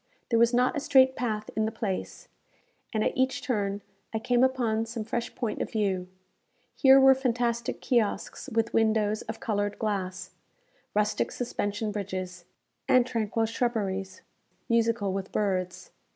There was not a straight path in the place, and at each turn I came upon some fresh point of view. Here were fantastic kiosks with windows of coloured glass; rustic suspension bridges; and tranquil shrubberies, musical with birds.